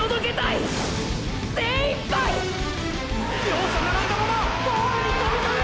精一杯！！両者並んだままゴールにとびこむ！！